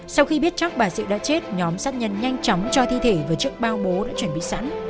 sau khi biết chắc bà sự đã chết nhóm sát nhân nhanh chóng cho thi thể và chiếc bao bố đã chuẩn bị sẵn